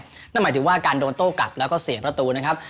นั่นหมายถึงว่าการโดนโต้กลับแล้วก็เสียประตูนะครับ